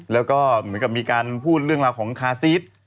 แล้วก็เหมือนกับมีการพูดเรื่องราวของคาซีส